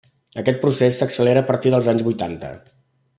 Aquest procés s'accelera a partir dels anys vuitanta.